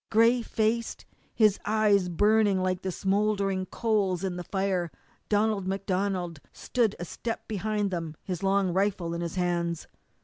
Gray faced, his eyes burning like the smouldering coals in the fire, Donald MacDonald stood a step behind them, his long rifle in his hands.